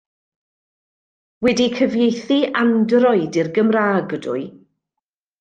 Wedi cyfieithu Android i'r Gymraeg ydw i.